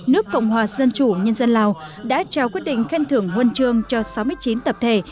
nước cộng hòa dân chủ nhân dân lào đã trao quyết định khen thưởng huân chương cho sáu mươi chín tập thể